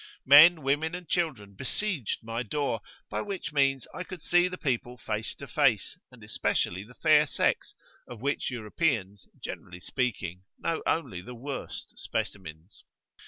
Men, women, and children besieged my door, by which means I could see the people face to face, and especially the fair sex, of which Europeans, generally speaking, know only the worst specimens.